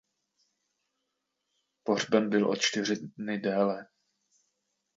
Pohřben byl o čtyři dny déle.